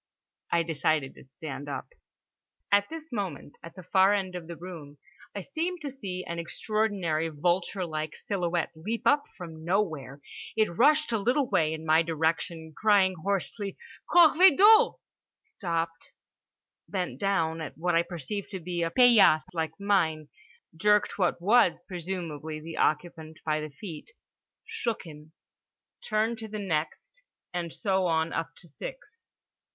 I decided to stand up. At this moment, at the far end of the room, I seemed to see an extraordinary vulture like silhouette leap up from nowhere. It rushed a little way in my direction crying hoarsely "Corvée d'eau!"—stopped, bent down at what I perceived to be a paillasse like mine, jerked what was presumably the occupant by the feet, shook him, turned to the next, and so on up to six.